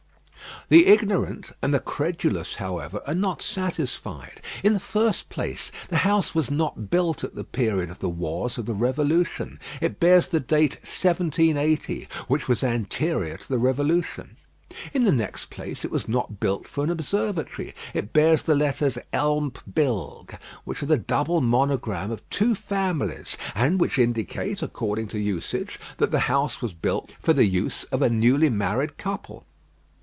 The ignorant and the credulous, however, are not satisfied. In the first place, the house was not built at the period of the wars of the Revolution. It bears the date "1780," which was anterior to the Revolution. In the next place it was not built for an observatory. It bears the letters "ELM PBILG," which are the double monogram of two families, and which indicate, according to usage, that the house was built for the use of a newly married couple.